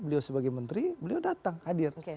beliau sebagai menteri beliau datang hadir